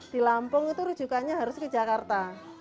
di lampung itu rujukannya harus ke jakarta